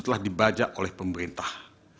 telah dibajak oleh pemerintah